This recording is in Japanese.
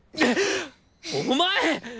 お前！